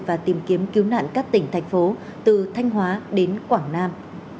và tìm kiếm cứu nạn các tỉnh thành phố từ thanh hóa đến quảng nam